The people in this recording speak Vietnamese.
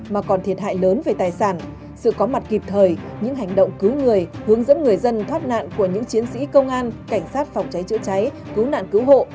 mà còn thiệt hại lớn về tài sản sự có mặt kịp thời những hành động cứu người hướng dẫn người dân thoát nạn của những chiến sĩ công an cảnh sát phòng cháy chữa cháy cứu nạn cứu hộ